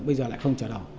bây giờ lại không trở đò